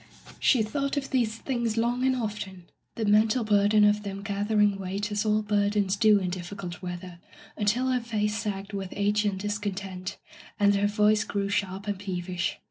She thought of these things long and often, the mental bur den of them gathering weight as all burdens do in difficult weather, until her face sagged with age and discontent, and her voice grew sharp and peevish.